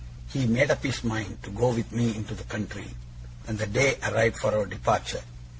He made up his mind to go with me into the country, and the day arrived for our departure.